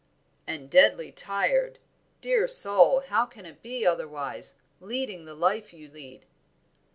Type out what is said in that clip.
"And deadly tired; dear soul, how can it be otherwise, leading the life you lead."